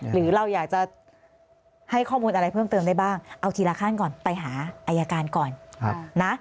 หรือเราอยากจะให้ข้อมูลอะไรเพิ่มเติมได้บ้างเอาทีละขั้นก่อนไปหาอายการก่อนนะ